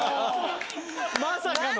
まさかの。